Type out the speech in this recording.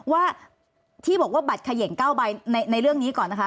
ว่าที่บอกว่าบัตรเขย่ง๙ใบในเรื่องนี้ก่อนนะคะ